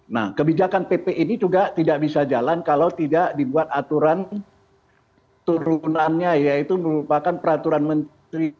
nah kebijakan pp ini juga tidak bisa jalan kalau tidak dibuat aturan turunannya yaitu merupakan peraturan menteri